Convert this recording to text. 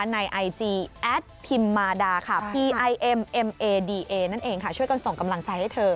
ในไอจีแอดพิมมาดาช่วยกันส่งกำลังใจให้เธอ